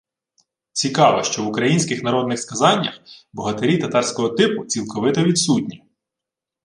Цікаво, що в українських народних сказаннях богатирі татарського типу цілковито відсутні